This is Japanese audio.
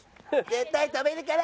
絶対跳べるから！